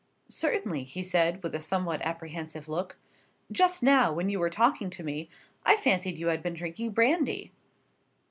"Certainly," he said, with a somewhat apprehensive look. "Just now, when you were talking to me, I fancied you had been drinking brandy."